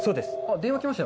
電話が来ましたよ。